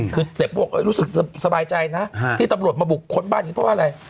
คือเสียโป้บอกรู้สึกสบายใจนะที่ตำรวจมาบุคคลบ้านอย่างนี้เพราะว่าอะไร